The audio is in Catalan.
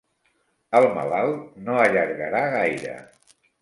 El malalt no allargarà gaire.